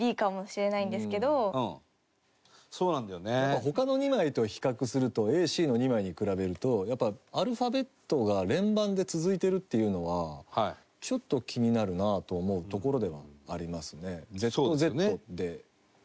他の２枚と比較するとＡＣの２枚に比べるとやっぱアルファベットが連番で続いてるっていうのはちょっと気になるなと思うところではありますね。